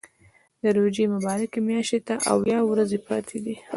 د روژې مبارکې میاشتې ته اویا ورځې پاتې دي.